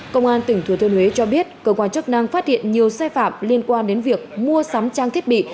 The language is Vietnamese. công an tỉnh thừa thiên huế cho biết cơ quan chức năng phát hiện nhiều sai phạm liên quan đến việc mua sắm trang thiết bị